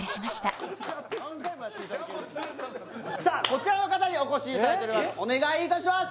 こちらの方にお越しいただいております